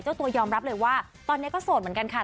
ตัวยอมรับเลยว่าตอนนี้ก็โสดเหมือนกันค่ะ